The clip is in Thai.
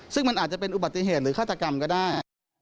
ซึ่งมันอาจจะเป็นอุบัติเหตุหรือฆาตกรรมก็ได้